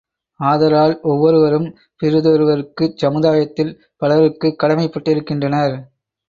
ஆதலால் ஒவ்வொருவரும் பிறிதொருவருக்குச் சமுதாயத்தில் பலருக்குக் கடமைப்ப்ட்டிருக்கின்றனர்.